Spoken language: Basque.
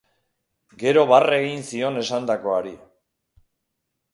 Gero barre egin zion esandakoari.